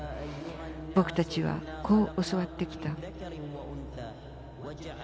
僕たちはこう教わってきた。